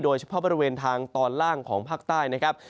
โดยเฉพาะบริเวณทางตอนล่างของภาคใต้นะครับ